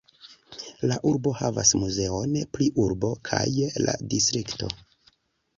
La urbo havas muzeon pri urbo kaj la distrikto.